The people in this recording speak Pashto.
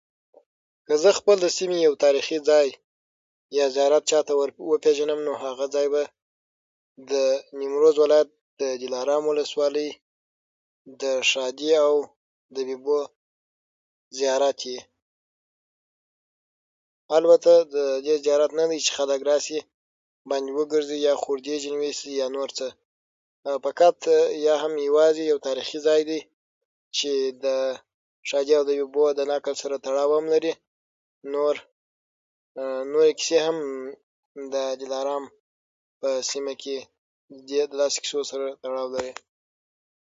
که زه خپل د سیمې یو تاريخي ځای یا زيارت چاته وروپيژنم، نو هغه ځای به د نيمروز ولایت د دلارام ولسوالۍ د شادي او د بیبو زيارت يي. البته د دې دننه چې خلک راسي، او باندې وګرځيګي، یا خوردې ځينې یوسي، یا بل څه، فقط یا هم یوازې یو تاريخي ځای دی، چې د شادي او بیبو د نقل سره تړاو هم لري. نور نورې کیسې هم د دلارام په سیمه کې کیسو سره تړاو لري.